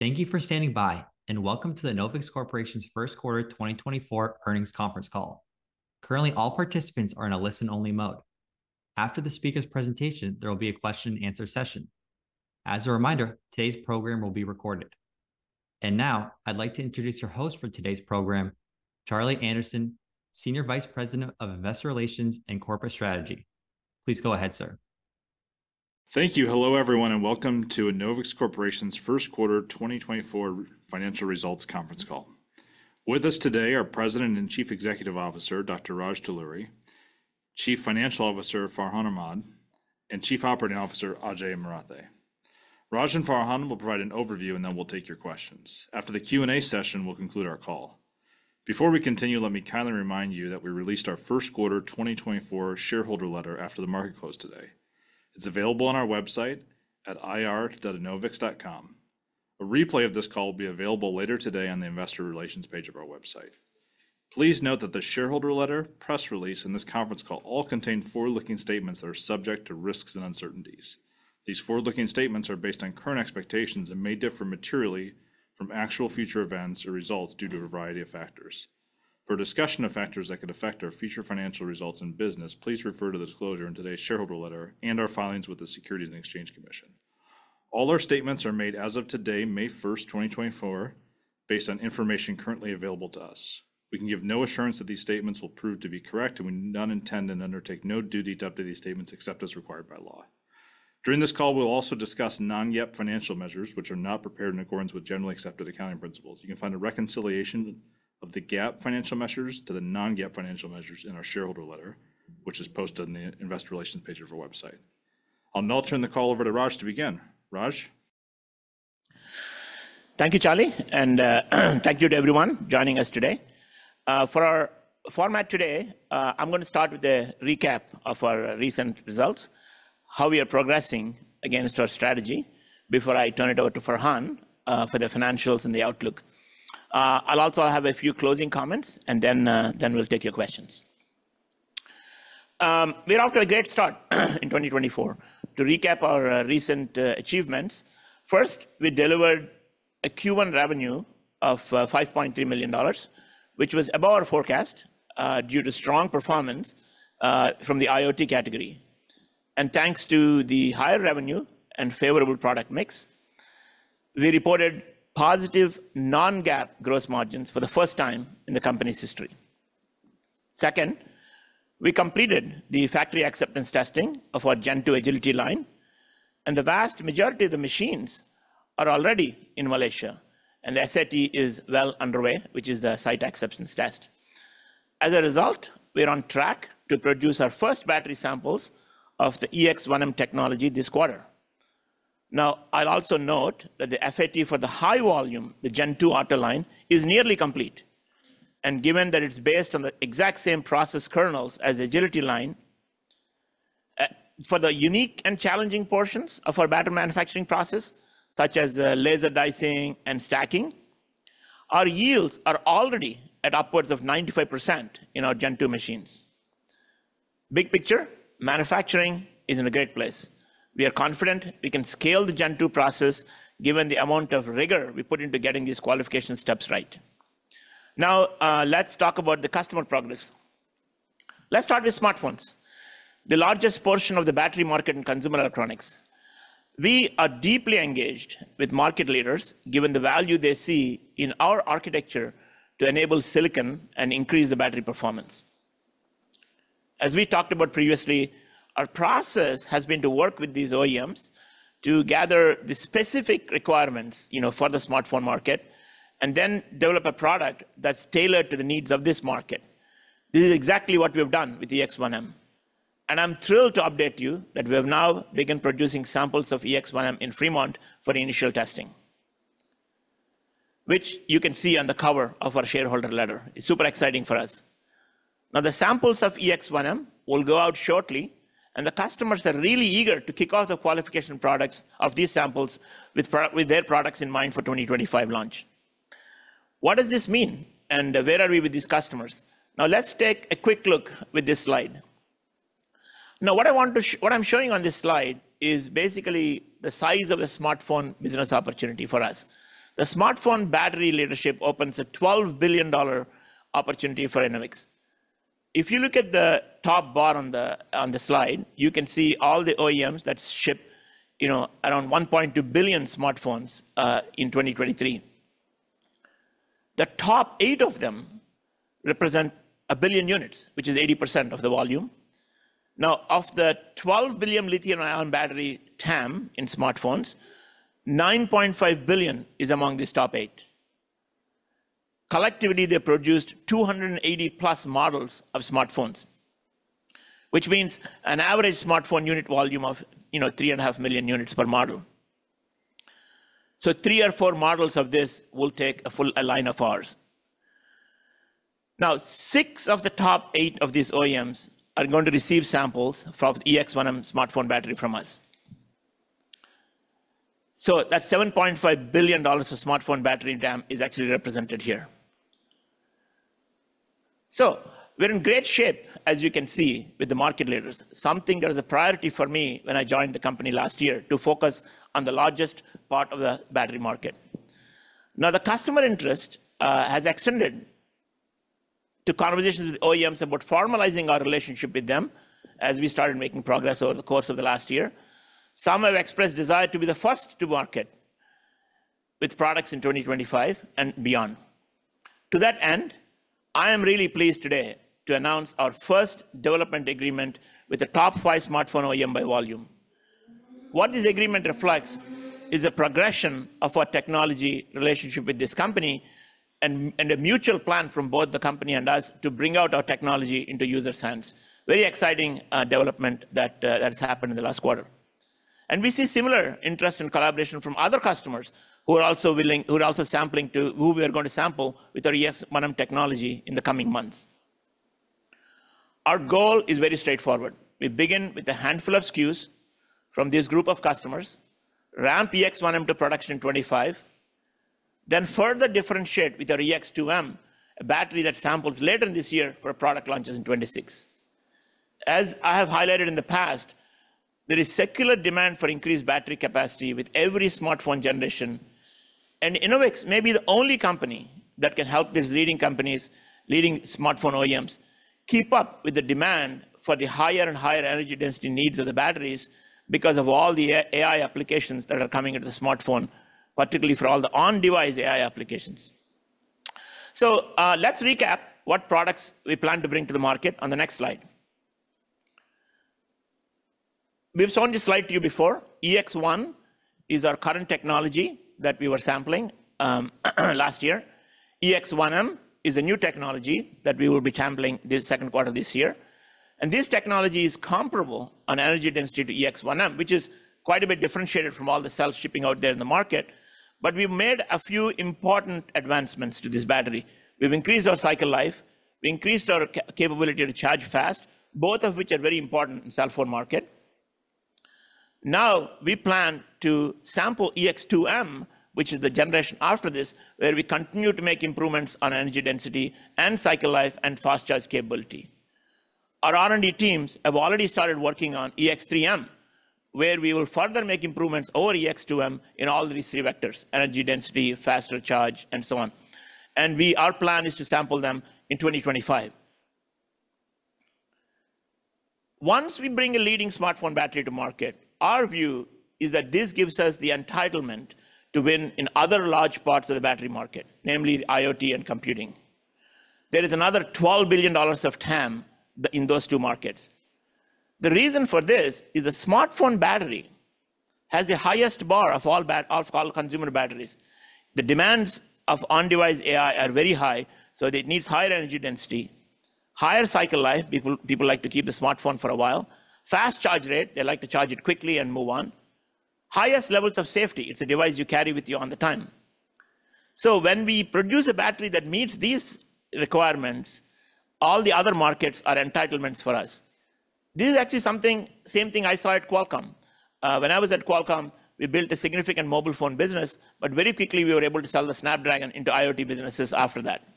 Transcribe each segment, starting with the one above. Thank you for standing by, and welcome to the Enovix Corporation's First Quarter 2024 Earnings Conference Call. Currently, all participants are in a listen-only mode. After the speaker's presentation, there will be a question-and-answer session. As a reminder, today's program will be recorded. Now I'd like to introduce your host for today's program, Charlie Anderson, Senior Vice President of Investor Relations and Corporate Strategy. Please go ahead, sir. Thank you. Hello everyone, and welcome to Enovix Corporation's first quarter 2024 financial results conference call. With us today are President and Chief Executive Officer Dr. Raj Talluri, Chief Financial Officer Farhan Ahmad, and Chief Operating Officer Ajay Marathe. Raj and Farhan will provide an overview, and then we'll take your questions. After the Q&A session, we'll conclude our call. Before we continue, let me kindly remind you that we released our first quarter 2024 shareholder letter after the market closed today. It's available on our website at ir.enovix.com. A replay of this call will be available later today on the Investor Relations page of our website. Please note that the shareholder letter, press release, and this conference call all contain forward-looking statements that are subject to risks and uncertainties. These forward-looking statements are based on current expectations and may differ materially from actual future events or results due to a variety of factors. For a discussion of factors that could affect our future financial results and business, please refer to the disclosure in today's shareholder letter and our filings with the Securities and Exchange Commission. All our statements are made as of today, May 1st, 2024, based on information currently available to us. We can give no assurance that these statements will prove to be correct, and we do not intend and undertake no duty to update these statements except as required by law. During this call, we will also discuss non-GAAP financial measures, which are not prepared in accordance with generally accepted accounting principles. You can find a reconciliation of the GAAP financial measures to the non-GAAP financial measures in our shareholder letter, which is posted on the Investor Relations page of our website. I'll now turn the call over to Raj to begin. Raj? Thank you, Charlie, and thank you to everyone joining us today. For our format today, I'm going to start with a recap of our recent results, how we are progressing against our strategy, before I turn it over to Farhan for the financials and the outlook. I'll also have a few closing comments, and then we'll take your questions. We're off to a great start in 2024. To recap our recent achievements, first, we delivered a Q1 revenue of $5.3 million, which was above our forecast due to strong performance from the IoT category. Thanks to the higher revenue and favorable product mix, we reported positive non-GAAP gross margins for the first time in the company's history. Second, we completed the factory acceptance testing of our Gen 2 Agility Line, and the vast majority of the machines are already in Malaysia, and the SAT is well underway, which is the site acceptance test. As a result, we're on track to produce our first battery samples of the EX-1M technology this quarter. Now, I'll also note that the FAT for the high volume, the Gen 2 Autoline, is nearly complete. And given that it's based on the exact same process kernels as the agility line, for the unique and challenging portions of our battery manufacturing process, such as laser dicing and stacking, our yields are already at upwards of 95% in our Gen 2 machines. Big picture, manufacturing is in a great place. We are confident we can scale the Gen 2 process given the amount of rigor we put into getting these qualification steps right. Now, let's talk about the customer progress. Let's start with smartphones, the largest portion of the battery market in consumer electronics. We are deeply engaged with market leaders given the value they see in our architecture to enable silicon and increase the battery performance. As we talked about previously, our process has been to work with these OEMs to gather the specific requirements for the smartphone market, and then develop a product that's tailored to the needs of this market. This is exactly what we have done with EX-1M. And I'm thrilled to update you that we have now begun producing samples of EX-1M in Fremont for initial testing, which you can see on the cover of our shareholder letter. It's super exciting for us. Now, the samples of EX-1M will go out shortly, and the customers are really eager to kick off the qualification products of these samples with their products in mind for 2025 launch. What does this mean, and where are we with these customers? Now, let's take a quick look with this slide. Now, what I'm showing on this slide is basically the size of the smartphone business opportunity for us. The smartphone battery leadership opens a $12 billion opportunity for Enovix. If you look at the top bar on the slide, you can see all the OEMs that ship around 1.2 billion smartphones in 2023. The top eight of them represent 1 billion units, which is 80% of the volume. Now, of the $12 billion lithium-ion battery TAM in smartphones, $9.5 billion is among these top eight. Collectively, they produced 280+ models of smartphones, which means an average smartphone unit volume of 3.5 million units per model. So three or four models of this will take a full line of ours. Now, six of the top eight of these OEMs are going to receive samples of the EX-1M smartphone battery from us. So that $7.5 billion of smartphone battery TAM is actually represented here. So we're in great shape, as you can see, with the market leaders. Something that was a priority for me when I joined the company last year to focus on the largest part of the battery market. Now, the customer interest has extended to conversations with OEMs about formalizing our relationship with them as we started making progress over the course of the last year. Some have expressed desire to be the first to market with products in 2025 and beyond. To that end, I am really pleased today to announce our first development agreement with the top five smartphone OEM by volume. What this agreement reflects is a progression of our technology relationship with this company and a mutual plan from both the company and us to bring out our technology into user's hands. Very exciting development that has happened in the last quarter. We see similar interest and collaboration from other customers who are also sampling who we are going to sample with our EX-1M technology in the coming months. Our goal is very straightforward. We begin with a handful of SKUs from this group of customers, ramp EX-1M to production in 2025, then further differentiate with our EX-2M, a battery that samples later in this year for product launches in 2026. As I have highlighted in the past, there is secular demand for increased battery capacity with every smartphone generation. Enovix may be the only company that can help these leading companies, leading smartphone OEMs, keep up with the demand for the higher and higher energy density needs of the batteries because of all the AI applications that are coming into the smartphone, particularly for all the on-device AI applications. Let's recap what products we plan to bring to the market on the next slide. We've shown this slide to you before. EX-1 is our current technology that we were sampling last year. EX-1M is a new technology that we will be sampling the second quarter of this year. This technology is comparable on energy density to EX-1M, which is quite a bit differentiated from all the cells shipping out there in the market. We've made a few important advancements to this battery. We've increased our cycle life. We increased our capability to charge fast, both of which are very important in the cell phone market. Now, we plan to sample EX-2M, which is the generation after this, where we continue to make improvements on energy density and cycle life and fast charge capability. Our R&D teams have already started working on EX-3M, where we will further make improvements over EX-2M in all these three vectors: energy density, faster charge, and so on. Our plan is to sample them in 2025. Once we bring a leading smartphone battery to market, our view is that this gives us the entitlement to win in other large parts of the battery market, namely IoT and computing. There is another $12 billion of TAM in those two markets. The reason for this is the smartphone battery has the highest bar of all consumer batteries. The demands of on-device AI are very high, so it needs higher energy density, higher cycle life, people like to keep the smartphone for a while, fast charge rate, they like to charge it quickly and move on, highest levels of safety, it's a device you carry with you all the time. So when we produce a battery that meets these requirements, all the other markets are entitlements for us. This is actually the same thing I saw at Qualcomm. When I was at Qualcomm, we built a significant mobile phone business, but very quickly we were able to sell the Snapdragon into IoT businesses after that.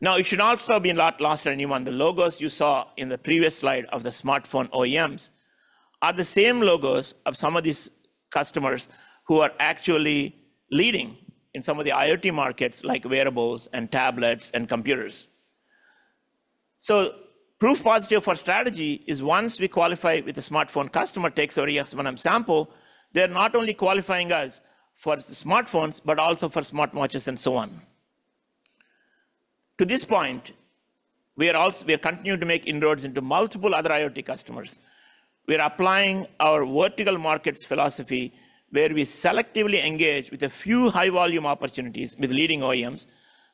Now, it should not also be lost on anyone. The logos you saw in the previous slide of the smartphone OEMs are the same logos of some of these customers who are actually leading in some of the IoT markets, like wearables and tablets and computers. So proof positive for strategy is once we qualify with a smartphone customer takes our EX-1M sample, they're not only qualifying us for smartphones but also for smartwatches and so on. To this point, we continue to make inroads into multiple other IoT customers. We are applying our vertical markets philosophy, where we selectively engage with a few high-volume opportunities with leading OEMs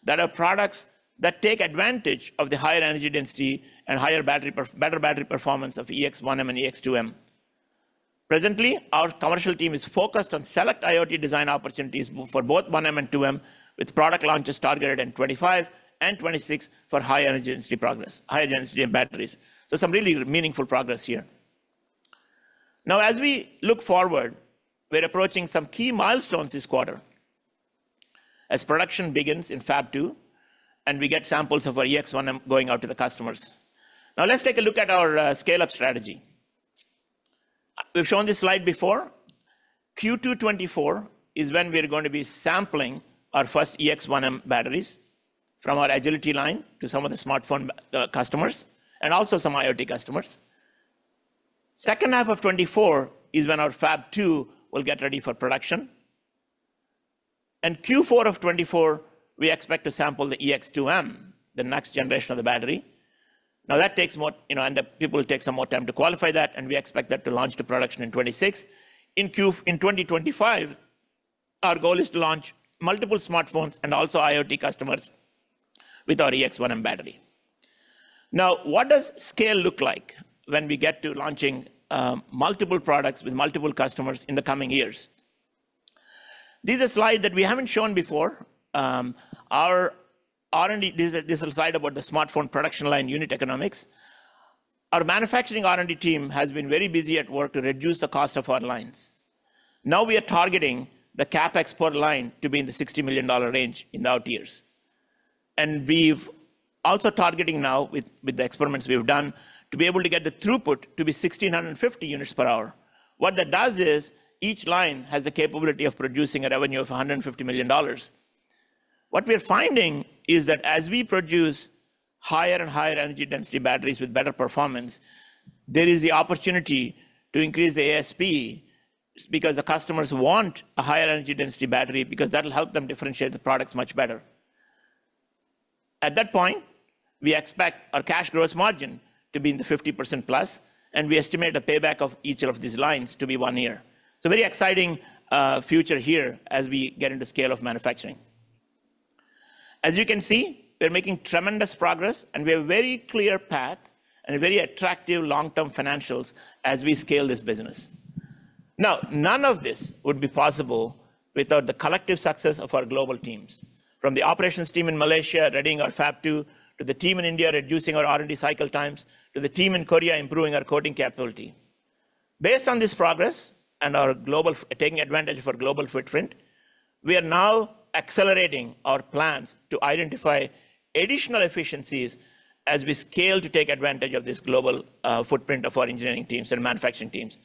that are products that take advantage of the higher energy density and better battery performance of EX-1M and EX-2M. Presently, our commercial team is focused on select IoT design opportunities for both EX-1M and EX-2M, with product launches targeted in 2025 and 2026 for higher energy density progress, higher density in batteries. So some really meaningful progress here. Now, as we look forward, we're approaching some key milestones this quarter as production begins in Fab 2, and we get samples of our EX-1M going out to the customers. Now, let's take a look at our scale-up strategy. We've shown this slide before. Q2 2024 is when we're going to be sampling our first EX-1M batteries from our Agility Line to some of the smartphone customers and also some IoT customers. Second half of 2024 is when our Fab 2 will get ready for production. And Q4 of 2024, we expect to sample the EX-2M, the next generation of the battery. Now, that takes more and people take some more time to qualify that, and we expect that to launch to production in 2026. In 2025, our goal is to launch multiple smartphones and also IoT customers with our EX-1M battery. Now, what does scale look like when we get to launching multiple products with multiple customers in the coming years? This is a slide that we haven't shown before. This is a slide about the smartphone production line unit economics. Our manufacturing R&D team has been very busy at work to reduce the cost of our lines. Now, we are targeting the Capex per line to be in the $60 million range in the out years. And we've also targeting now, with the experiments we've done, to be able to get the throughput to be 1,650 units per hour. What that does is each line has the capability of producing a revenue of $150 million. What we are finding is that as we produce higher and higher energy density batteries with better performance, there is the opportunity to increase the ASP because the customers want a higher energy density battery, because that will help them differentiate the products much better. At that point, we expect our cash gross margin to be in the 50%+, and we estimate a payback of each of these lines to be one year. So very exciting future here as we get into scale of manufacturing. As you can see, we're making tremendous progress, and we have a very clear path and very attractive long-term financials as we scale this business. Now, none of this would be possible without the collective success of our global teams, from the operations team in Malaysia readying our Fab 2, to the team in India reducing our R&D cycle times, to the team in Korea improving our coating capability. Based on this progress and our taking advantage of our global footprint, we are now accelerating our plans to identify additional efficiencies as we scale to take advantage of this global footprint of our engineering teams and manufacturing teams.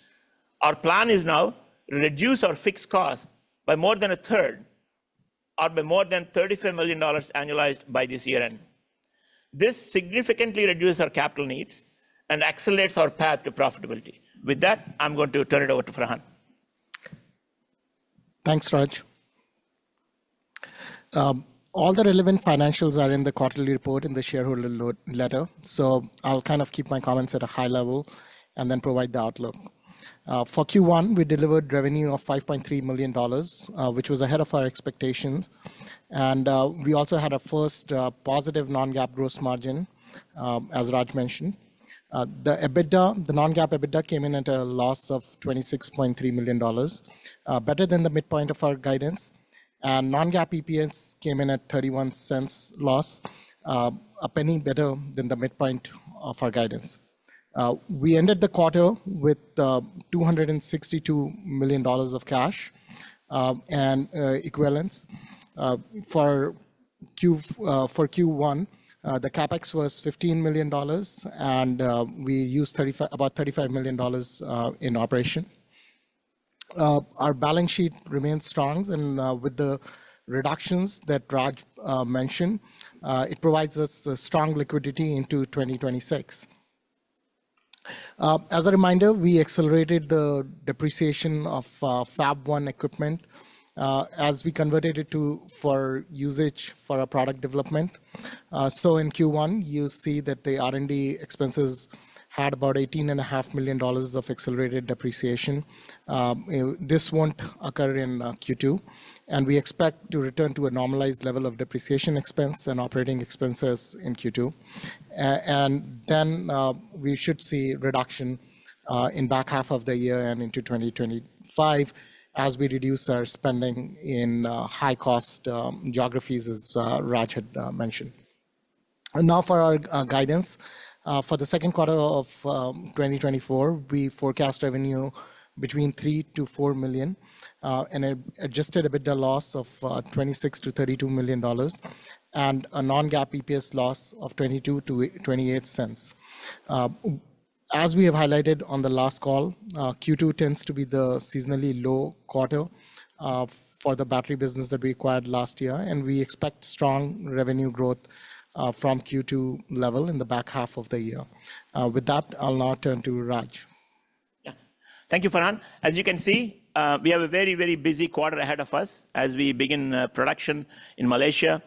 Our plan is now to reduce our fixed costs by more than a third or by more than $35 million annualized by this year-end. This significantly reduces our capital needs and accelerates our path to profitability. With that, I'm going to turn it over to Farhan. Thanks, Raj. All the relevant financials are in the quarterly report in the shareholder letter. So I'll kind of keep my comments at a high level and then provide the outlook. For Q1, we delivered revenue of $5.3 million, which was ahead of our expectations. We also had our first positive non-GAAP gross margin, as Raj mentioned. The non-GAAP EBITDA came in at a loss of $26.3 million, better than the midpoint of our guidance. Non-GAAP EPS came in at $0.31 loss, a penny better than the midpoint of our guidance. We ended the quarter with $262 million of cash and equivalents. For Q1, the CapEx was $15 million, and we used about $35 million in operation. Our balance sheet remains strong. With the reductions that Raj mentioned, it provides us strong liquidity into 2026. As a reminder, we accelerated the depreciation of Fab 1 equipment as we converted it for usage for our product development. In Q1, you see that the R&D expenses had about $18.5 million of accelerated depreciation. This won't occur in Q2. We expect to return to a normalized level of depreciation expense and operating expenses in Q2. We should see reduction in the back half of the year and into 2025 as we reduce our spending in high-cost geographies, as Raj had mentioned. Now, for our guidance, for the second quarter of 2024, we forecast revenue between $3 million-$4 million and an adjusted EBITDA loss of $26 million-$32 million and a non-GAAP EPS loss of $0.22-$0.28. As we have highlighted on the last call, Q2 tends to be the seasonally low quarter for the battery business that we acquired last year. We expect strong revenue growth from Q2 level in the back half of the year. With that, I'll now turn to Raj. Yeah. Thank you, Farhan. As you can see, we have a very, very busy quarter ahead of us as we begin production in Malaysia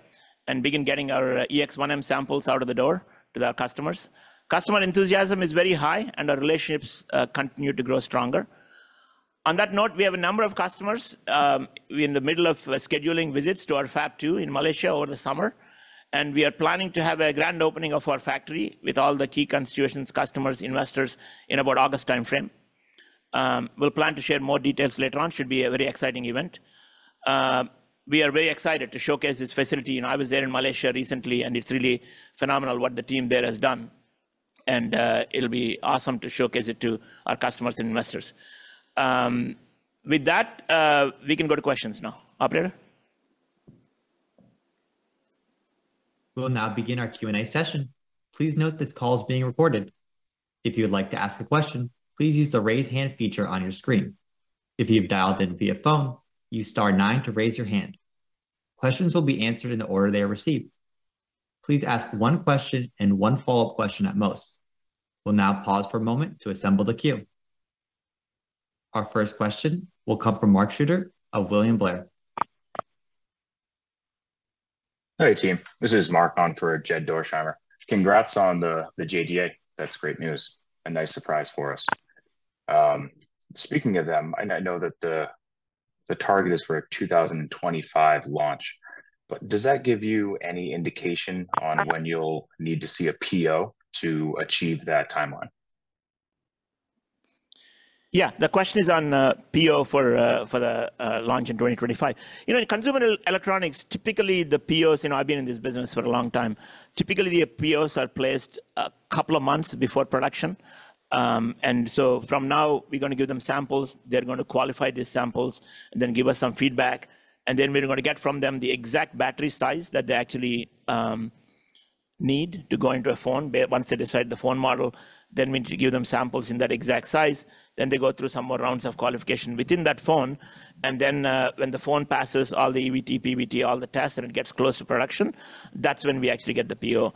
and begin getting our EX-1M samples out of the door to our customers. Customer enthusiasm is very high, and our relationships continue to grow stronger. On that note, we have a number of customers in the middle of scheduling visits to our Fab 2 in Malaysia over the summer. And we are planning to have a grand opening of our factory with all the key constituents, customers, investors in about August time frame. We'll plan to share more details later on. It should be a very exciting event. We are very excited to showcase this facility. I was there in Malaysia recently, and it's really phenomenal what the team there has done. And it'll be awesome to showcase it to our customers and investors. With that, we can go to questions now. Operator? We'll now begin our Q&A session. Please note this call is being recorded. If you would like to ask a question, please use the raise hand feature on your screen. If you've dialed in via phone, use star nine to raise your hand. Questions will be answered in the order they are received. Please ask one question and one follow-up question at most. We'll now pause for a moment to assemble the queue. Our first question will come from Mark Schutter of William Blair. Hi, team. This is Mark on for Jed Dorsheimer. Congrats on the JDA. That's great news and nice surprise for us. Speaking of them, I know that the target is for a 2025 launch. But does that give you any indication on when you'll need to see a PO to achieve that timeline? Yeah. The question is on PO for the launch in 2025. In consumer electronics, typically, the POs I've been in this business for a long time, typically, the POs are placed a couple of months before production. And so from now, we're going to give them samples. They're going to qualify these samples and then give us some feedback. And then we're going to get from them the exact battery size that they actually need to go into a phone. Once they decide the phone model, then we need to give them samples in that exact size. Then they go through some more rounds of qualification within that phone. And then when the phone passes all the EVT, PVT, all the tests, and it gets close to production, that's when we actually get the PO.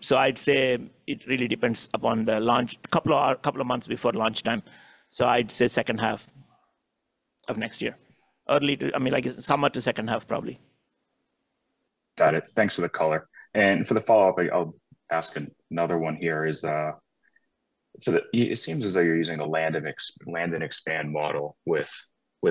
So I'd say it really depends upon the launch a couple of months before launch time. So I'd say second half of next year, early to I mean, summer to second half, probably. Got it. Thanks for the color. For the follow-up, I'll ask another one here. It seems as though you're using the land and expand model with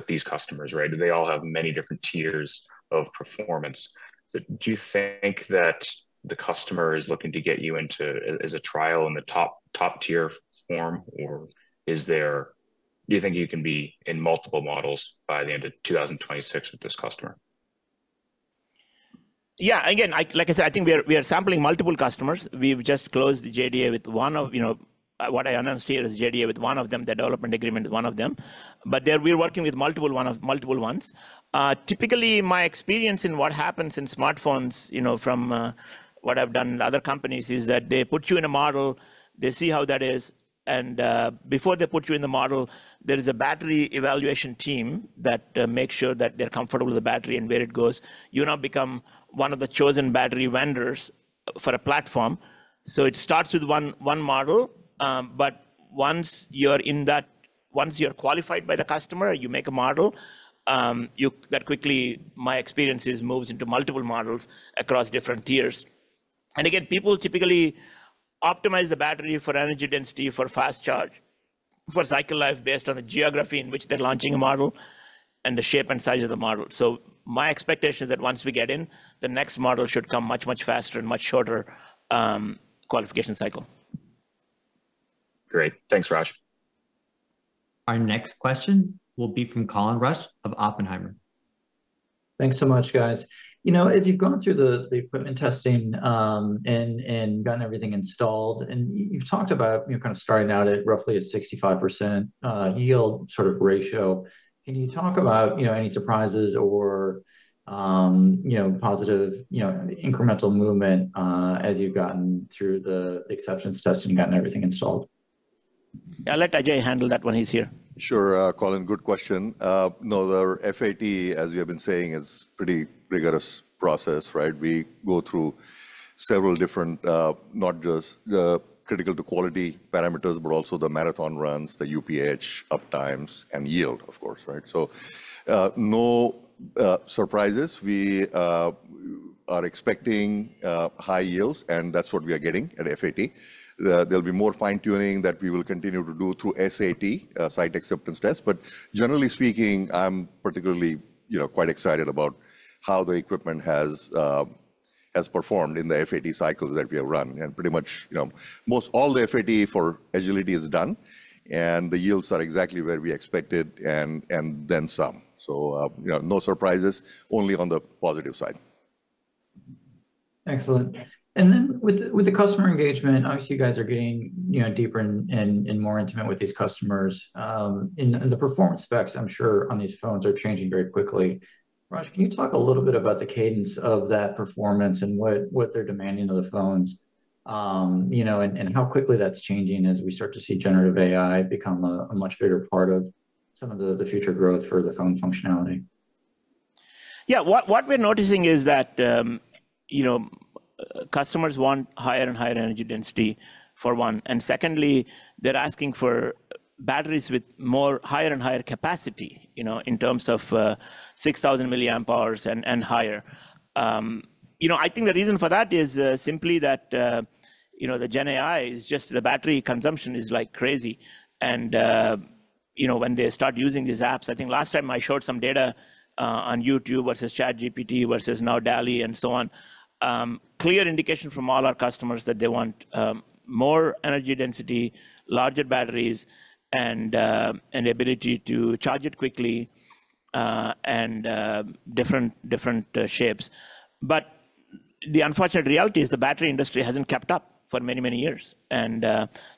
these customers, right? They all have many different tiers of performance. Do you think that the customer is looking to get you into as a trial in the top-tier form? Or do you think you can be in multiple models by the end of 2026 with this customer? Yeah. Again, like I said, I think we are sampling multiple customers. We've just closed the JDA with one of what I announced here is JDA with one of them. The development agreement is one of them. But we're working with multiple ones. Typically, my experience in what happens in smartphones from what I've done with other companies is that they put you in a model. They see how that is. And before they put you in the model, there is a battery evaluation team that makes sure that they're comfortable with the battery and where it goes. You now become one of the chosen battery vendors for a platform. So it starts with one model. But once you're in that once you're qualified by the customer, you make a model. That quickly, my experience is, moves into multiple models across different tiers. And again, people typically optimize the battery for energy density, for fast charge, for cycle life based on the geography in which they're launching a model and the shape and size of the model. So my expectation is that once we get in, the next model should come much, much faster in a much shorter qualification cycle. Great. Thanks, Raj. Our next question will be from Colin Rusch of Oppenheimer. Thanks so much, guys. As you've gone through the equipment testing and gotten everything installed, and you've talked about kind of starting out at roughly a 65% yield sort of ratio. Can you talk about any surprises or positive incremental movement as you've gotten through the acceptance testing and gotten everything installed? Yeah. I'll let Ajay handle that when he's here. Sure, Colin. Good question. No, the FAT, as we have been saying, is a pretty rigorous process, right? We go through several different not just critical-to-quality parameters but also the marathon runs, the UPH, uptimes, and yield, of course, right? So no surprises. We are expecting high yields, and that's what we are getting at FAT. There'll be more fine-tuning that we will continue to do through SAT, site acceptance tests. But generally speaking, I'm particularly quite excited about how the equipment has performed in the FAT cycles that we have run. And pretty much all the FAT for agility is done. And the yields are exactly where we expected and then some. So no surprises, only on the positive side. Excellent. And then with the customer engagement, obviously, you guys are getting deeper and more intimate with these customers. And the performance specs, I'm sure, on these phones are changing very quickly. Raj, can you talk a little bit about the cadence of that performance and what they're demanding of the phones and how quickly that's changing as we start to see generative AI become a much bigger part of some of the future growth for the phone functionality? Yeah. What we're noticing is that customers want higher and higher energy density, for one. And secondly, they're asking for batteries with higher and higher capacity in terms of 6,000 milliamp hours and higher. I think the reason for that is simply that the Gen AI is just the battery consumption is like crazy. And when they start using these apps I think last time I showed some data on YouTube versus ChatGPT versus now DALL-E and so on clear indication from all our customers that they want more energy density, larger batteries, and the ability to charge it quickly, and different shapes. But the unfortunate reality is the battery industry hasn't kept up for many, many years. And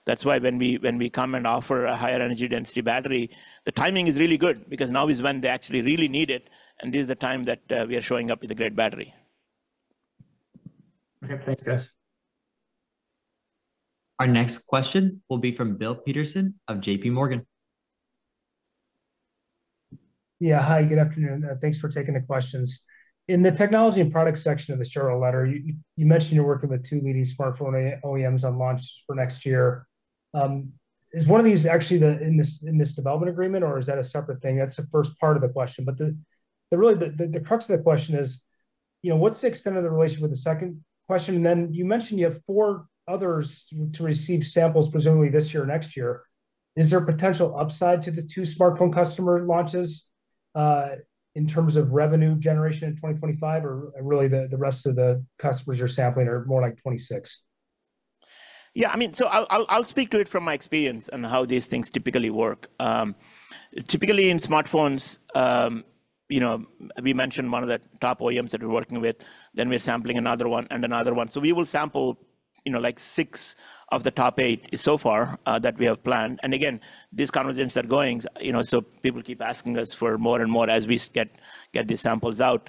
that's why when we come and offer a higher energy density battery, the timing is really good because now is when they actually really need it. This is the time that we are showing up with a great battery. OK. Thanks, guys. Our next question will be from Bill Peterson of JPMorgan. Yeah. Hi. Good afternoon. Thanks for taking the questions. In the technology and product section of the shareholder letter, you mentioned you're working with two leading smartphone OEMs on launch for next year. Is one of these actually in this development agreement, or is that a separate thing? That's the first part of the question. But really, the crux of the question is, what's the extent of the relationship with the second question? And then you mentioned you have four others to receive samples, presumably this year or next year. Is there potential upside to the two smartphone customer launches in terms of revenue generation in 2025? Or really, the rest of the customers you're sampling are more like 2026? Yeah. I mean, so I'll speak to it from my experience and how these things typically work. Typically, in smartphones, we mentioned one of the top OEMs that we're working with. Then we're sampling another one and another one. So we will sample like six of the top eight so far that we have planned. And again, these conversations are going. So people keep asking us for more and more as we get these samples out.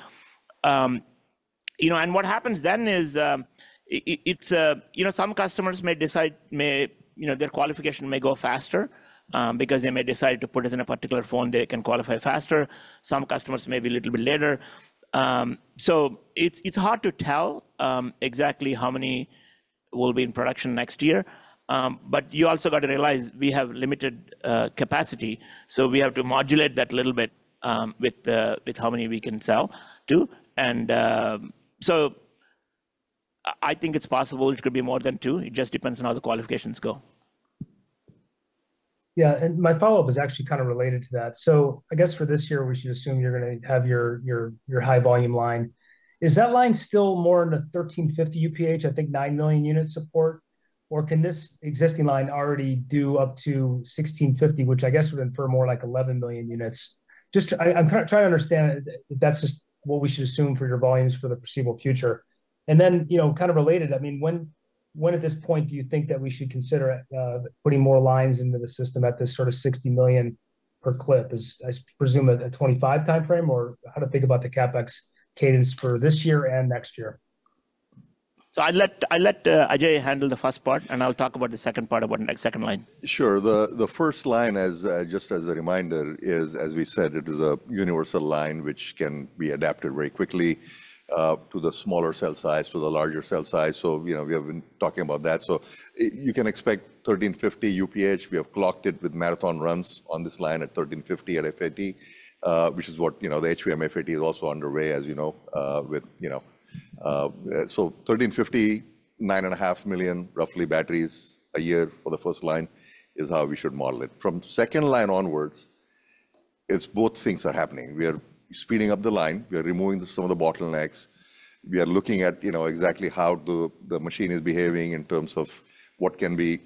And what happens then is some customers may decide their qualification may go faster because they may decide to put it in a particular phone. They can qualify faster. Some customers may be a little bit later. So it's hard to tell exactly how many will be in production next year. But you also got to realize we have limited capacity. So we have to modulate that a little bit with how many we can sell too. And so I think it's possible it could be more than two. It just depends on how the qualifications go. Yeah. And my follow-up is actually kind of related to that. So I guess for this year, we should assume you're going to have your high-volume line. Is that line still more in the 1,350 UPH, I think 9 million units support? Or can this existing line already do up to 1,650, which I guess would infer more like 11 million units? I'm trying to understand if that's just what we should assume for your volumes for the foreseeable future. And then kind of related, I mean, when at this point do you think that we should consider putting more lines into the system at this sort of 60 million per clip? I presume a 2025 time frame? Or how to think about the CapEx cadence for this year and next year? I'd let Ajay handle the first part. I'll talk about the second part about the second line. Sure. The first line, just as a reminder, is, as we said, it is a universal line which can be adapted very quickly to the smaller cell size, to the larger cell size. So we have been talking about that. So you can expect 1,350 UPH. We have clocked it with marathon runs on this line at 1,350 at FAT, which is what the HVM FAT is also underway, as you know. So 1,350, 9.5 million roughly batteries a year for the first line is how we should model it. From second line onwards, both things are happening. We are speeding up the line. We are removing some of the bottlenecks. We are looking at exactly how the machine is behaving in terms of what can be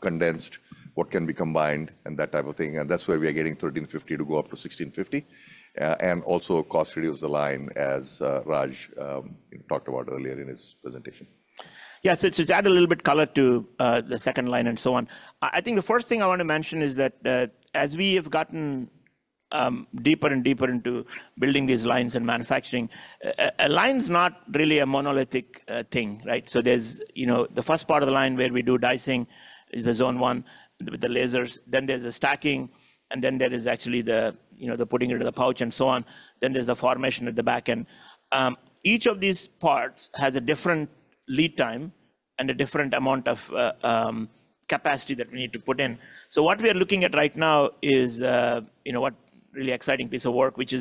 condensed, what can be combined, and that type of thing. And that's where we are getting 1,350-1,650 and also cost-reduce the line, as Raj talked about earlier in his presentation. Yeah. So to add a little bit color to the second line and so on, I think the first thing I want to mention is that as we have gotten deeper and deeper into building these lines and manufacturing, a line is not really a monolithic thing, right? So the first part of the line where we do dicing is the zone one with the lasers. Then there's the stacking. And then there is actually the putting it into the pouch and so on. Then there's the formation at the back end. Each of these parts has a different lead time and a different amount of capacity that we need to put in. So what we are looking at right now is what really exciting piece of work, which I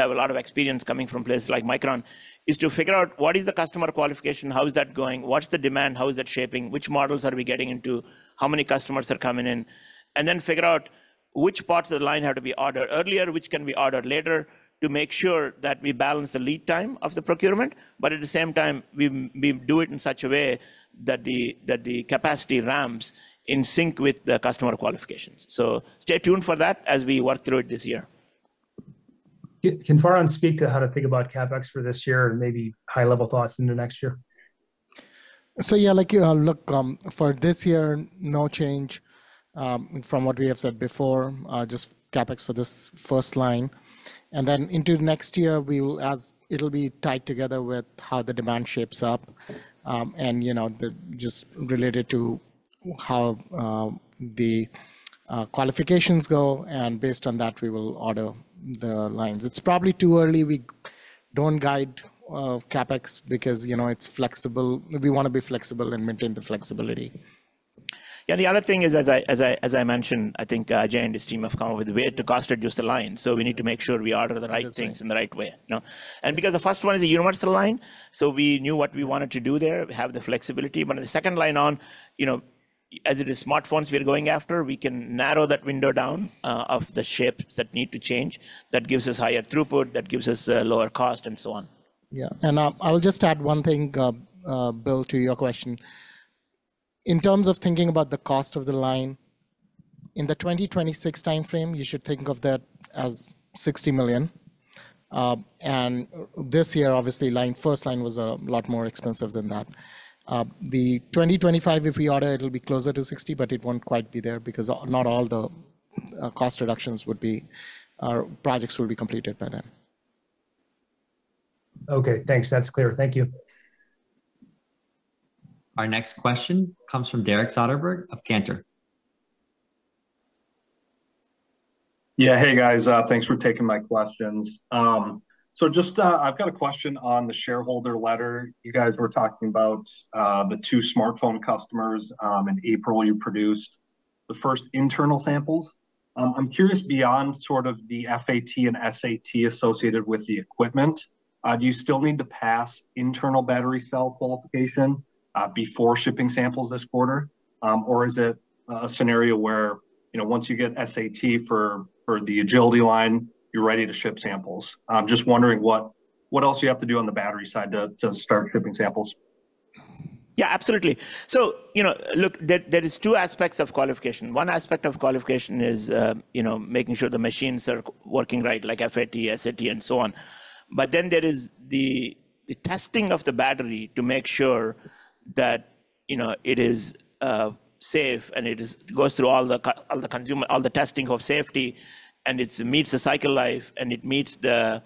have a lot of experience coming from places like Micron, is to figure out what is the customer qualification? How is that going? What's the demand? How is that shaping? Which models are we getting into? How many customers are coming in? And then figure out which parts of the line have to be ordered earlier, which can be ordered later to make sure that we balance the lead time of the procurement. But at the same time, we do it in such a way that the capacity ramps in sync with the customer qualifications. So stay tuned for that as we work through it this year. Can Farhan speak to how to think about CapEx for this year and maybe high-level thoughts into next year? Yeah. Look, for this year, no change from what we have said before, just CapEx for this first line. Then into next year, it'll be tied together with how the demand shapes up and just related to how the qualifications go. Based on that, we will order the lines. It's probably too early. We don't guide CapEx because it's flexible. We want to be flexible and maintain the flexibility. Yeah. And the other thing is, as I mentioned, I think Ajay and his team have come up with a way to cost-reduce the line. So we need to make sure we order the right things in the right way. And because the first one is a universal line, so we knew what we wanted to do there. We have the flexibility. But on the second line on, as it is smartphones we are going after, we can narrow that window down of the shapes that need to change. That gives us higher throughput. That gives us lower cost, and so on. Yeah. And I'll just add one thing, Bill, to your question. In terms of thinking about the cost of the line, in the 2026 time frame, you should think of that as $60 million. And this year, obviously, the first line was a lot more expensive than that. The 2025, if we order, it'll be closer to $60 million. But it won't quite be there because not all the cost reductions would be our projects will be completed by then. Okay. Thanks. That's clear. Thank you. Our next question comes from Derek Soderberg of Cantor. Yeah. Hey, guys. Thanks for taking my questions. So I've got a question on the shareholder letter. You guys were talking about the two smartphone customers in April. You produced the first internal samples. I'm curious, beyond sort of the FAT and SAT associated with the equipment, do you still need to pass internal battery cell qualification before shipping samples this quarter? Or is it a scenario where once you get SAT for the Agility Line, you're ready to ship samples? I'm just wondering what else you have to do on the battery side to start shipping samples? Yeah. Absolutely. So look, there are two aspects of qualification. One aspect of qualification is making sure the machines are working right, like FAT, SAT, and so on. But then there is the testing of the battery to make sure that it is safe and it goes through all the testing of safety. And it meets the cycle life. And it meets the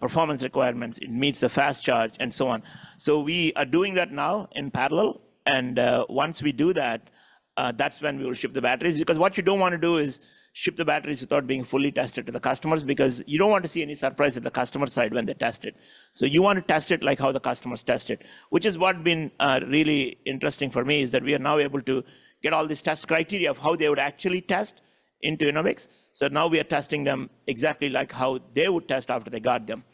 performance requirements. It meets the fast charge, and so on. So we are doing that now in parallel. And once we do that, that's when we will ship the batteries. Because what you don't want to do is ship the batteries without being fully tested to the customers because you don't want to see any surprise at the customer side when they test it. So you want to test it like how the customers test it, which is what's been really interesting for me, is that we are now able to get all these test criteria of how they would actually test into Enovix. So now we are testing them exactly like how they would test after they got them.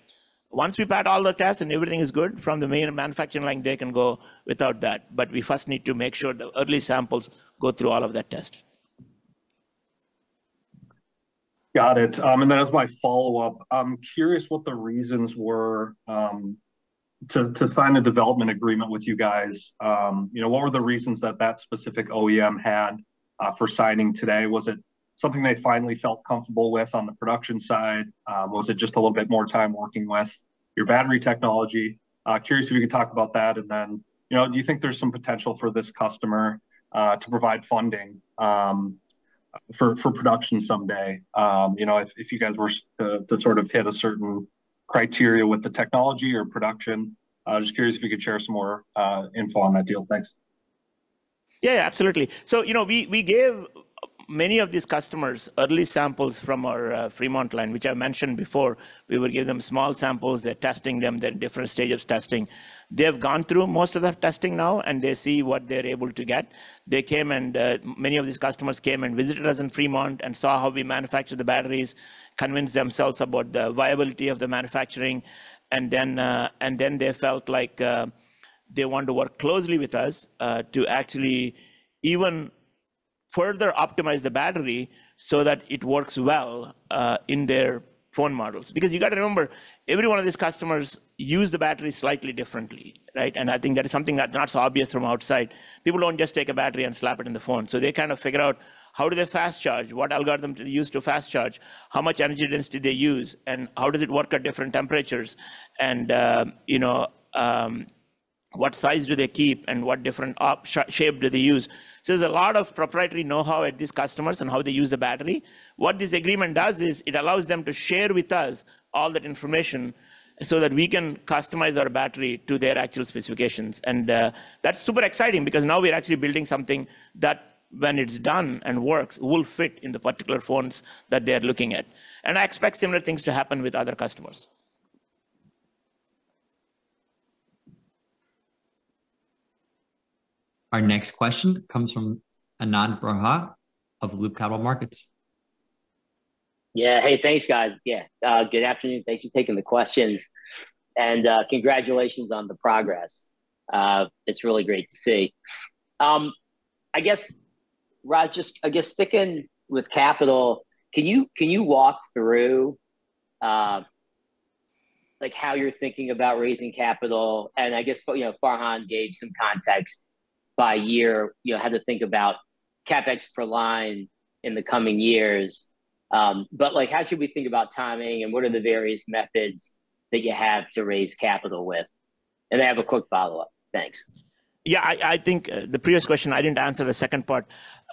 Once we've had all the tests and everything is good, from the main manufacturing line, they can go without that. But we first need to make sure the early samples go through all of that test. Got it. And then as my follow-up, I'm curious what the reasons were to sign a development agreement with you guys. What were the reasons that that specific OEM had for signing today? Was it something they finally felt comfortable with on the production side? Was it just a little bit more time working with your battery technology? Curious if you could talk about that. And then do you think there's some potential for this customer to provide funding for production someday if you guys were to sort of hit a certain criteria with the technology or production? I'm just curious if you could share some more info on that deal. Thanks. Yeah. Yeah. Absolutely. So we gave many of these customers early samples from our Fremont line, which I mentioned before. We would give them small samples. They're testing them. They're at different stages of testing. They've gone through most of that testing now. And they see what they're able to get. Many of these customers came and visited us in Fremont and saw how we manufacture the batteries, convinced themselves about the viability of the manufacturing. And then they felt like they wanted to work closely with us to actually even further optimize the battery so that it works well in their phone models. Because you got to remember, every one of these customers used the battery slightly differently, right? And I think that is something that's not so obvious from outside. People don't just take a battery and slap it in the phone. So they kind of figure out how do they fast charge? What algorithm do they use to fast charge? How much energy density do they use? And how does it work at different temperatures? And what size do they keep? And what different shape do they use? So there's a lot of proprietary know-how at these customers and how they use the battery. What this agreement does is it allows them to share with us all that information so that we can customize our battery to their actual specifications. And that's super exciting because now we're actually building something that, when it's done and works, will fit in the particular phones that they are looking at. And I expect similar things to happen with other customers. Our next question comes from Ananda Baruah of Loop Capital Markets. Yeah. Hey. Thanks, guys. Yeah. Good afternoon. Thanks for taking the questions. And congratulations on the progress. It's really great to see. I guess, Raj, just I guess sticking with capital, can you walk through how you're thinking about raising capital? And I guess Farhan gave some context by year, how to think about CapEx per line in the coming years. But how should we think about timing? And what are the various methods that you have to raise capital with? And I have a quick follow-up. Thanks. Yeah. I think the previous question, I didn't answer the second part.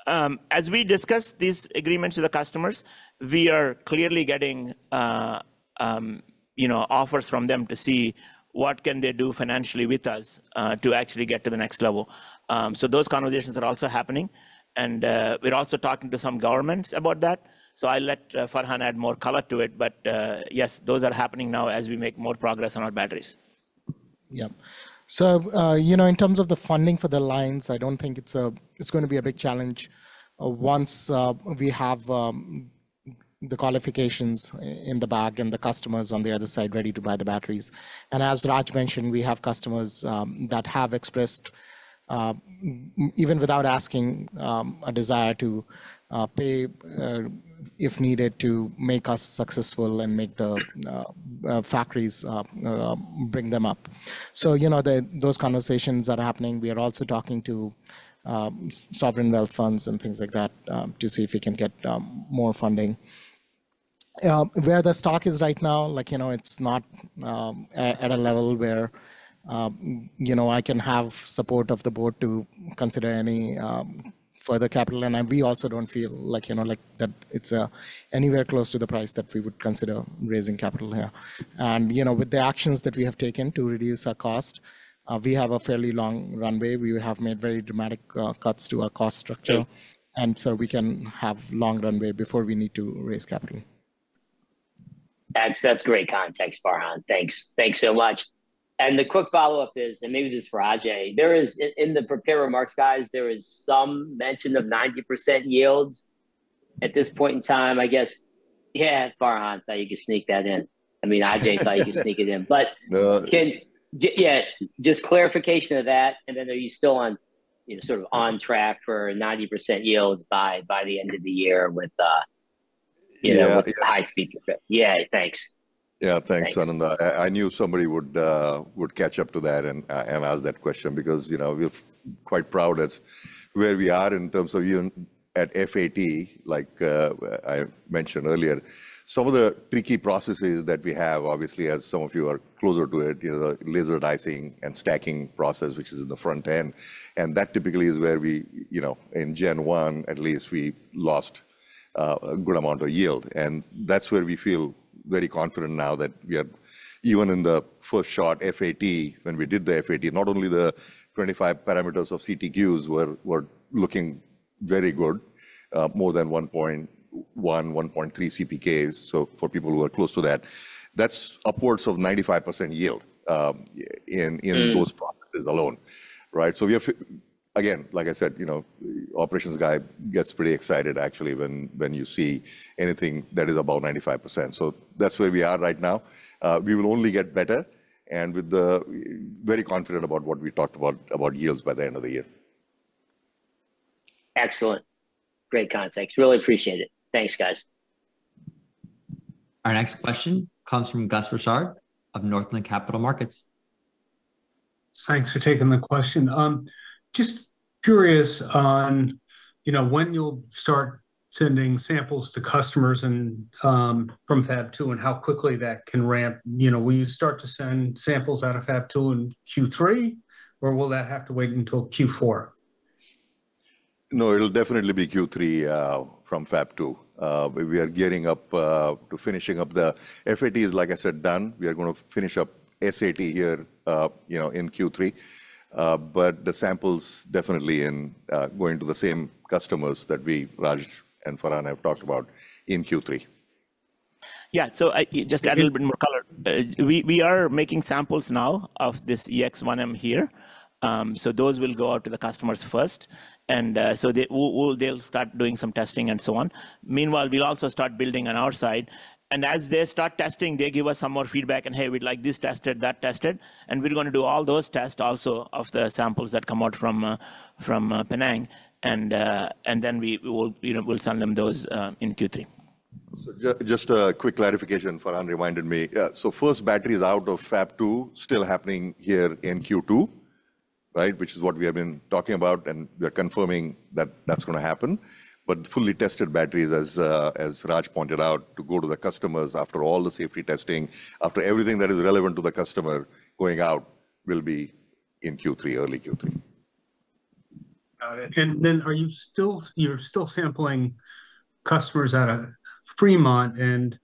As we discuss these agreements with the customers, we are clearly getting offers from them to see what can they do financially with us to actually get to the next level. So those conversations are also happening. And we're also talking to some governments about that. So I'll let Farhan add more color to it. But yes, those are happening now as we make more progress on our batteries. Yep. So in terms of the funding for the lines, I don't think it's going to be a big challenge once we have the qualifications in the back and the customers on the other side ready to buy the batteries. And as Raj mentioned, we have customers that have expressed, even without asking, a desire to pay, if needed, to make us successful and make the factories bring them up. So those conversations are happening. We are also talking to sovereign wealth funds and things like that to see if we can get more funding. Where the stock is right now, it's not at a level where I can have support of the board to consider any further capital. And we also don't feel like that it's anywhere close to the price that we would consider raising capital here. With the actions that we have taken to reduce our cost, we have a fairly long runway. We have made very dramatic cuts to our cost structure. So we can have long runway before we need to raise capital. That's great context, Farhan. Thanks. Thanks so much. The quick follow-up is, and maybe this is for Ajay, in the prepared remarks, guys, there is some mention of 90% yields at this point in time, I guess. Yeah. Farhan, I thought you could sneak that in. I mean, Ajay, I thought you could sneak it in. But yeah, just clarification of that. And then are you still sort of on track for 90% yields by the end of the year with a high-speed trip? Yeah. Thanks. Yeah. Thanks, Anand. I knew somebody would catch up to that and ask that question because we're quite proud of where we are in terms of at FAT, like I mentioned earlier. Some of the tricky processes that we have, obviously, as some of you are closer to it, the laser dicing and stacking process, which is in the front end. And that typically is where we, in Gen 1 at least, we lost a good amount of yield. And that's where we feel very confident now that we are, even in the first shot, FAT, when we did the FAT, not only the 25 parameters of CTQs were looking very good, more than 1.1, 1.3 CPKs, so for people who are close to that, that's upwards of 95% yield in those processes alone, right? Again, like I said, the operations guy gets pretty excited, actually, when you see anything that is above 95%. That's where we are right now. We will only get better. We're very confident about what we talked about yields by the end of the year. Excellent. Great context. Really appreciate it. Thanks, guys. Our next question comes from Gus Richard of Northland Capital Markets. Thanks for taking the question. Just curious on when you'll start sending samples to customers from Fab 2 and how quickly that can ramp? Will you start to send samples out of Fab 2 in Q3? Or will that have to wait until Q4? No. It'll definitely be Q3 from Fab 2. We are gearing up to finishing up the FAT is, like I said, done. We are going to finish up SAT here in Q3. But the samples definitely going to the same customers that Raj and Farhan have talked about in Q3. Yeah. So just add a little bit more color. We are making samples now of this EX-1M here. So those will go out to the customers first. And so they'll start doing some testing and so on. Meanwhile, we'll also start building on our side. And as they start testing, they give us some more feedback, and, "Hey, we'd like this tested, that tested." And we're going to do all those tests also of the samples that come out from Penang. And then we'll send them those in Q3. So just a quick clarification, Farhan reminded me. So first battery is out of Fab 2, still happening here in Q2, right, which is what we have been talking about. And we are confirming that that's going to happen. But fully tested batteries, as Raj pointed out, to go to the customers after all the safety testing, after everything that is relevant to the customer going out, will be in Q3, early Q3. Got it. And then are you still sampling customers out of Fremont? And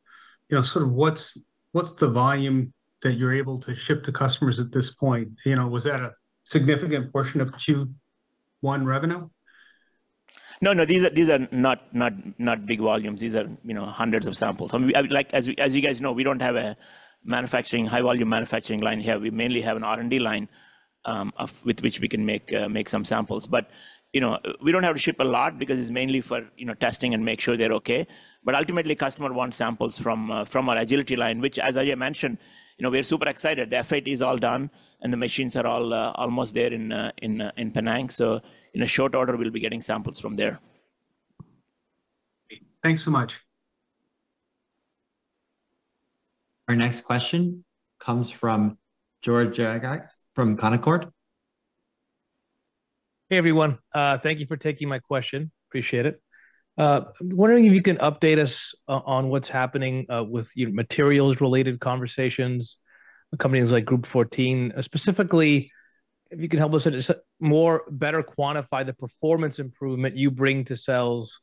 sort of what's the volume that you're able to ship to customers at this point? Was that a significant portion of Q1 revenue? No. No. These are not big volumes. These are hundreds of samples. As you guys know, we don't have a high-volume manufacturing line here. We mainly have an R&D line with which we can make some samples. But we don't have to ship a lot because it's mainly for testing and make sure they're OK. But ultimately, customers want samples from our agility line, which, as Ajay mentioned, we are super excited. The FAT is all done. The machines are all almost there in Penang. In a short order, we'll be getting samples from there. Great. Thanks so much. Our next question comes from George from Canaccord. Hey, everyone. Thank you for taking my question. Appreciate it. I'm wondering if you can update us on what's happening with materials-related conversations, companies like Group14, specifically, if you can help us better quantify the performance improvement you bring to cells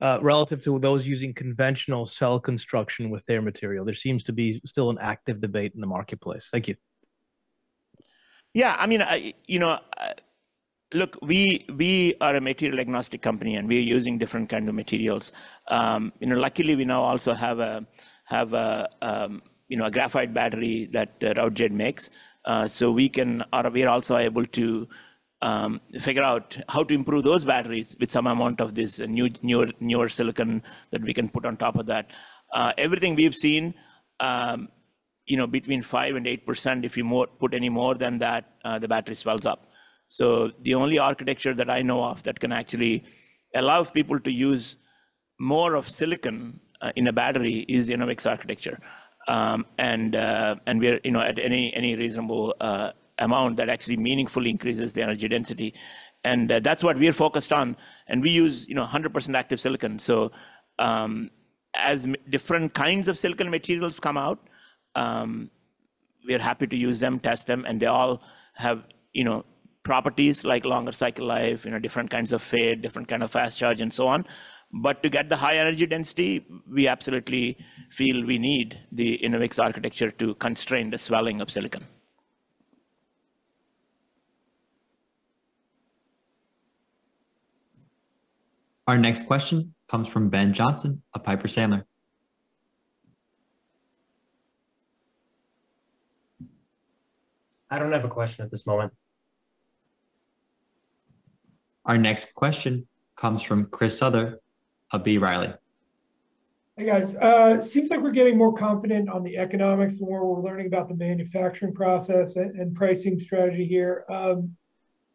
relative to those using conventional cell construction with their material. There seems to be still an active debate in the marketplace. Thank you. Yeah. I mean, look, we are a material agnostic company. And we are using different kinds of materials. Luckily, we now also have a graphite battery that Routejade makes. So we are also able to figure out how to improve those batteries with some amount of this newer silicon that we can put on top of that. Everything we've seen, between 5%-8%, if you put any more than that, the battery swells up. So the only architecture that I know of that can actually allow people to use more of silicon in a battery is the Enovix architecture. And we are at any reasonable amount that actually meaningfully increases the energy density. And that's what we are focused on. And we use 100% Active Silicon. So as different kinds of silicon materials come out, we are happy to use them, test them. They all have properties like longer cycle life, different kinds of fade, different kind of fast charge, and so on. But to get the high energy density, we absolutely feel we need the Enovix architecture to constrain the swelling of silicon. Our next question comes from Ben Johnson, a Piper Sandler. I don't have a question at this moment. Our next question comes from Chris Souther, a B. Riley. Hey, guys. Seems like we're getting more confident on the economics and where we're learning about the manufacturing process and pricing strategy here.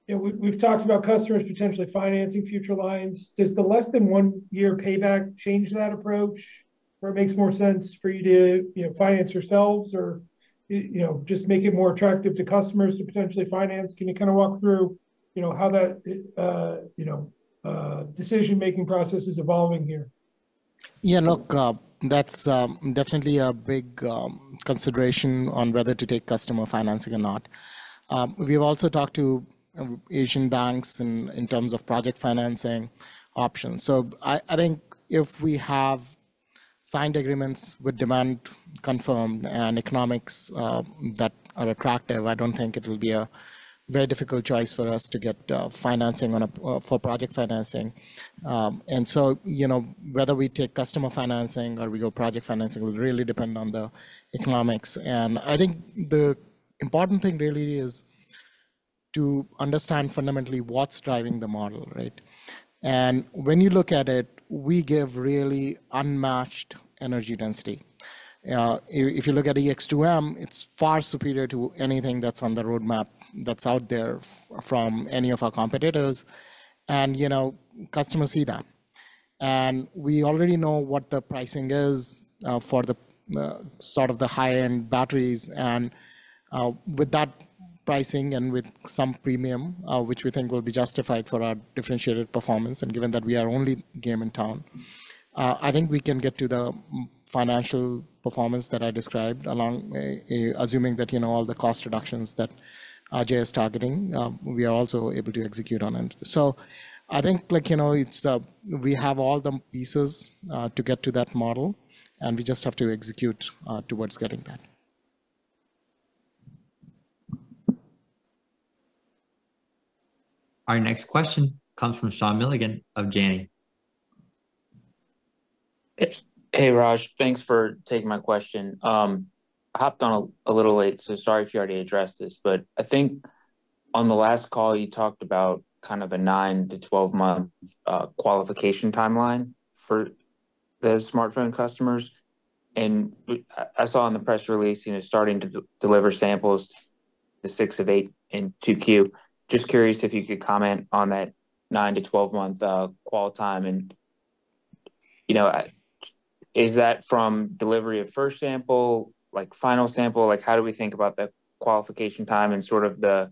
We've talked about customers potentially financing future lines. Does the less-than-one-year payback change that approach? Or it makes more sense for you to finance yourselves or just make it more attractive to customers to potentially finance? Can you kind of walk through how that decision-making process is evolving here? Yeah. Look, that's definitely a big consideration on whether to take customer financing or not. We've also talked to Asian banks in terms of project financing options. So I think if we have signed agreements with demand confirmed and economics that are attractive, I don't think it will be a very difficult choice for us to get financing for project financing. And so whether we take customer financing or we go project financing will really depend on the economics. And I think the important thing really is to understand fundamentally what's driving the model, right? And when you look at it, we give really unmatched energy density. If you look at EX-2M, it's far superior to anything that's on the roadmap that's out there from any of our competitors. And customers see that. And we already know what the pricing is for sort of the high-end batteries. And with that pricing and with some premium, which we think will be justified for our differentiated performance, and given that we are only a game in town, I think we can get to the financial performance that I described along assuming that all the cost reductions that Ajay is targeting, we are also able to execute on it. So I think we have all the pieces to get to that model. We just have to execute towards getting that. Our next question comes from Sean Milligan of Janney Montgomery Scott. Hey, Raj. Thanks for taking my question. I hopped on a little late. So sorry if you already addressed this. But I think on the last call, you talked about kind of a nine-12-month qualification timeline for the smartphone customers. And I saw in the press release starting to deliver samples, the six of eight in 2Q. Just curious if you could comment on that nine-12-month timeline. And is that from delivery of first sample, final sample? How do we think about the qualification time and sort of,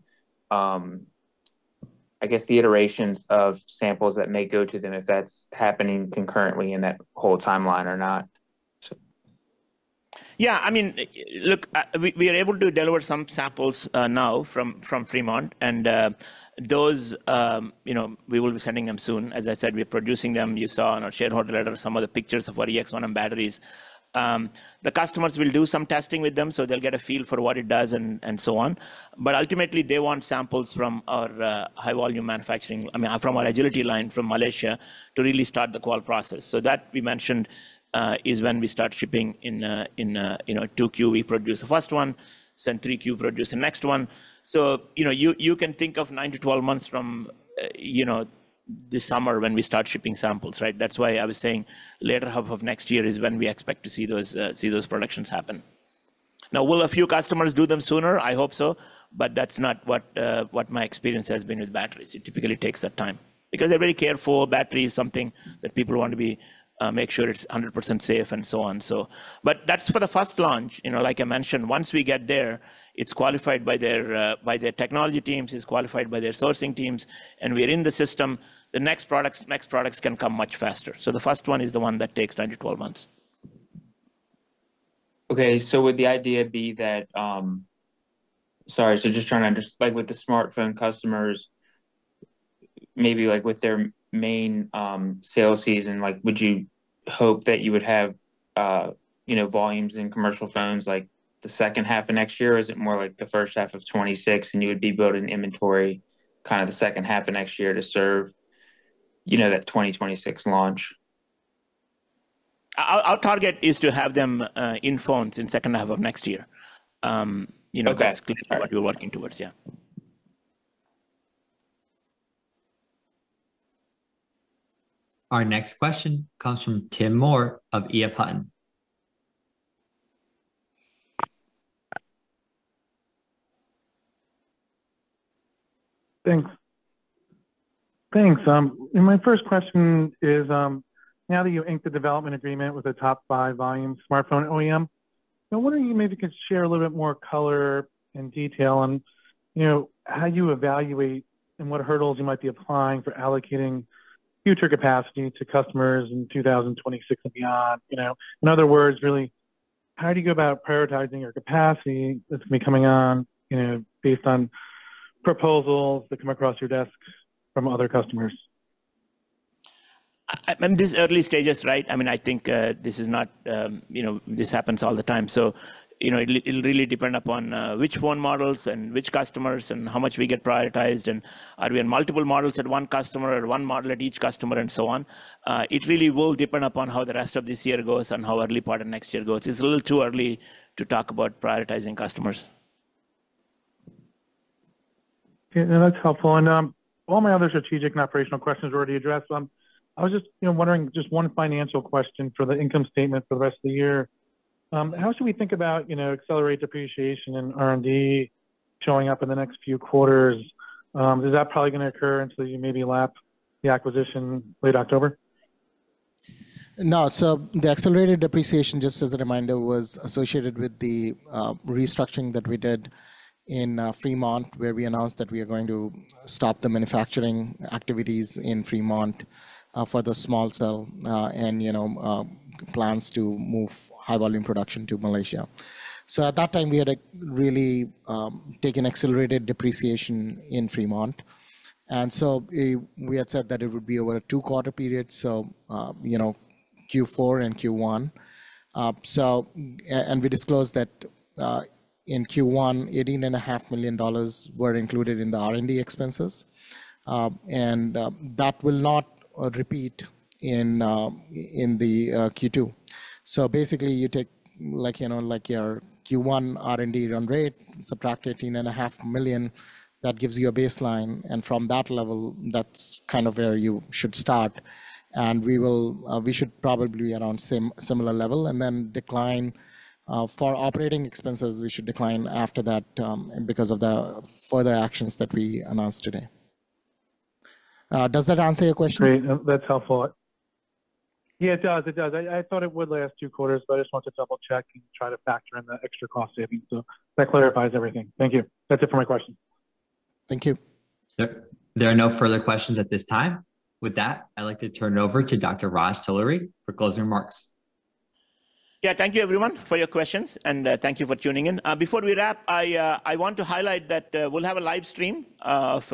I guess, the iterations of samples that may go to them if that's happening concurrently in that whole timeline or not? Yeah. I mean, look, we are able to deliver some samples now from Fremont. And we will be sending them soon. As I said, we are producing them. You saw on our shareholder letter some of the pictures of our EX-1M batteries. The customers will do some testing with them. So they'll get a feel for what it does and so on. But ultimately, they want samples from our high-volume manufacturing I mean, from our agility line from Malaysia to really start the call process. So that we mentioned is when we start shipping in 2Q. We produce the first one. Then 3Q, produce the next one. So you can think of nine-12 months from this summer when we start shipping samples, right? That's why I was saying later half of next year is when we expect to see those productions happen. Now, will a few customers do them sooner? I hope so. But that's not what my experience has been with batteries. It typically takes that time because they're very careful. Battery is something that people want to make sure it's 100% safe and so on. But that's for the first launch. Like I mentioned, once we get there, it's qualified by their technology teams. It's qualified by their sourcing teams. And we're in the system. The next products can come much faster. So the first one is the one that takes nine-12 months. Okay. So would the idea be, sorry. So just trying to understand with the smartphone customers, maybe with their main sales season, would you hope that you would have volumes in commercial phones the second half of next year? Or is it more like the first half of 2026? And you would be building inventory kind of the second half of next year to serve that 2026 launch? Our target is to have them in phones in the second half of next year. That's clearly what we're working towards. Yeah. Our next question comes from Jim Moore of Wedbush. Thanks. Thanks. My first question is, now that you inked the development agreement with the top five volume smartphone OEM, I'm wondering if you maybe could share a little bit more color and detail on how you evaluate and what hurdles you might be applying for allocating future capacity to customers in 2026 and beyond? In other words, really, how do you go about prioritizing your capacity that's going to be coming on based on proposals that come across your desk from other customers? I mean, these early stages, right? I mean, I think this is not. This happens all the time. So it'll really depend upon which phone models and which customers and how much we get prioritized. And are we on multiple models at one customer or one model at each customer and so on? It really will depend upon how the rest of this year goes and how early part of next year goes. It's a little too early to talk about prioritizing customers. Okay. That's helpful. All my other strategic and operational questions were already addressed. I was just wondering just one financial question for the income statement for the rest of the year. How should we think about accelerated depreciation and R&D showing up in the next few quarters? Is that probably going to occur until you maybe lap the acquisition late October? No. So the accelerated depreciation, just as a reminder, was associated with the restructuring that we did in Fremont, where we announced that we are going to stop the manufacturing activities in Fremont for the small cell and plans to move high-volume production to Malaysia. So at that time, we had really taken accelerated depreciation in Fremont. And so we had said that it would be over a two-quarter period, so Q4 and Q1. And we disclosed that in Q1, $18.5 million were included in the R&D expenses. And that will not repeat in the Q2. So basically, you take your Q1 R&D run rate, subtract $18.5 million. That gives you a baseline. And from that level, that's kind of where you should start. And we should probably be around a similar level. And then for operating expenses, we should decline after that because of the further actions that we announced today. Does that answer your question? Great. That's helpful. Yeah, it does. It does. I thought it would last two quarters. But I just want to double-check and try to factor in the extra cost savings. So that clarifies everything. Thank you. That's it for my question. Thank you. Yep. There are no further questions at this time. With that, I'd like to turn it over to Dr. Raj Talluri for closing remarks. Yeah. Thank you, everyone, for your questions. Thank you for tuning in. Before we wrap, I want to highlight that we'll have a live stream of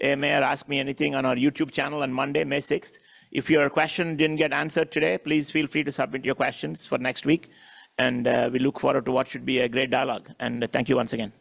AMA Ask Me Anything on our YouTube channel on Monday, May 6th. If your question didn't get answered today, please feel free to submit your questions for next week. We look forward to what should be a great dialogue. Thank you once again.